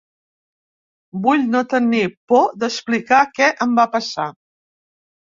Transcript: Vull no tenir por d’explicar què em va passar.